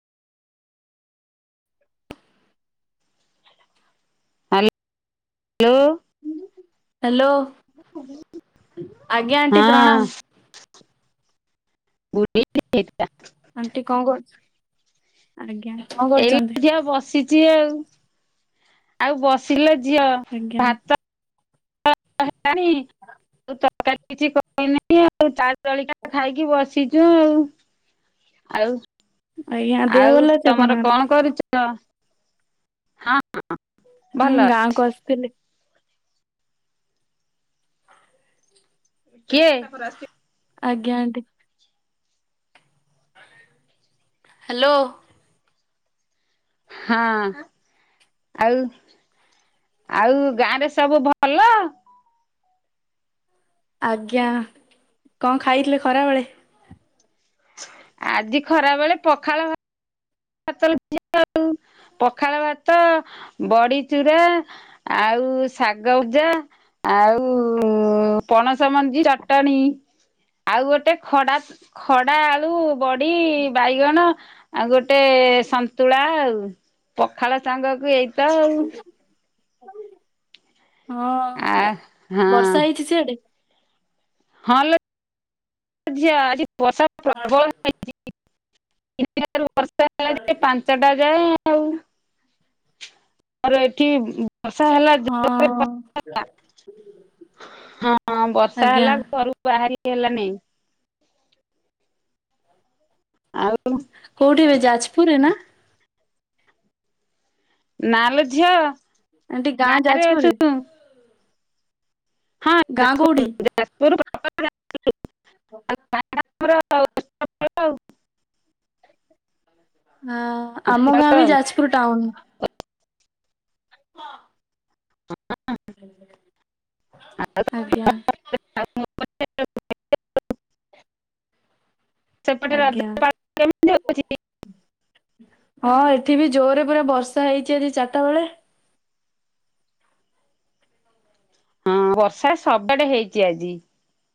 ହାଲ୍ ଲୋ। ହ୍ୟାଲୋ! ଆଜ୍ଞା ଆଣ୍ଟି ହଁ ପ୍ରଣାମ। ଆଣ୍ଟି କଣ କର [inaudible] ଆଜ୍ଞା, କଁ ଏଇଲେ କରୁଚନ୍ତି? ଝିଅ ବସିଚି ଆଉ। ଆଉ ବସିଲି ଲୋ ଝିଅ। ଆଜ୍ଞା ଭାତ [inaudible] ତରକାରୀ କିଛି କରିନେଇ ଆଉ। ଚା' ଜଳଖିଆ ଖାଇକି ବସି ଚୁ ଆଉଁ। ଆଉ ଆଜ୍ଞା ଦେହ ଭଲ -ଆଉ ଅଛି ତମର ଆପଣଙ୍କର? କଣ କରୁଚ? [unintelligible] ହଁ, ହଁ। ହୁଁ, ଗାଁ କୁ ଆସିଥିଲି। କିଏ? ଆଜ୍ଞା, ଆଣ୍ଟି। ହ୍ୟାଲୋ। ହଁ, ଆଉ। ଆଉ ଗାଁରେ ସବୁ ଭଲ? ଆଜ୍ଞା, କଣ ଖାଇଥିଲେ ଖରାବେଳେ? ଆଜି ଖରା ବେଳେ ପଖାଳ ଭା [inaudible] ଉଁ ପଖାଳ ଭାତ, ବଡି ଚୁରା ଆଉ ଶାଗଉଜା, ଆଉ-ଉଁ ପଣସ ମଞ୍ଜି ଚଟଣି। ଆଉ ଗୋଟେ ଖଡା, ଖଡା ଆଳୁ-ଉ ବଡି, ବାଇଗଣ, ଆଉ ଗୋଟ୍ ଟେ-ଏ ସନ୍ତୁଳା ଆଉ, ପଖାଳ ସାଙ୍ଗକୁ ଏଇତ ଆଉ। ଆ ହଁ, ହଁ ବର୍ଷା ହେଇଛି ସିଆଡେ? ହଁ ଲୋ, ଝିଅ ଆଜି ବର୍ଷା ପ୍ରବଳ। [inaudible] ତିନି [inaudible] ବର୍ଷା ହେଲା ଯେ, ପାଞ୍ଚଟା ଯାଏଁ ଆଉଁ ମର ଏଠି ଉଁ-ବ୍ ବର୍ଷା ହେଲା ଜ [inaudible] ହଁ ହଁ, ବର୍ଷା ଆଜ୍ଞା ହେଲା ଘରୁ ବାହାରି ହେଲାନେଇଁ। ଆଉ-ଉ। କଉଠି ଏବେ ଯାଜ୍ ପୁରରେ ନା? ନା ଲୋ ଝିଅ। ଆଣ୍ଟି ଗାଁ ଗାଁରେ ଯାଜପୁର ଅଛୁ ରେ! ଗାଁ କଉଠି? ଯାଜ୍ ପୁର୍ ପା ହଁ, ଆମ ଗାଁ ବି ଯାଜ୍ ପୁର୍ ଟାଉନ୍। [inaudible] ଆଜ୍ଞା। [inaudible] ସେପଟେ ରଜ ଆଜ୍ଞା ପାଳ କେମିତି ହଉଚି? ହଁ, ଏଠି ବି ଜୋର୍ ରେ ପୁରା ବର୍ଷା ହେଇଚି ଆଜି ଚାର୍ ଟା ବେଳେ। ହଁ, ବର୍ଷା ସବୁଆଡେ ହେଇଚି ଆଜି।